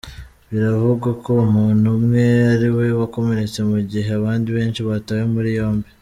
Biravugwa ko umuntu umwe ariwe wakomeretse mu gihe abandi benshi batawe muri yombi.